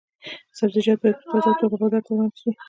سبزیجات باید په تازه توګه بازار ته وړاندې شي.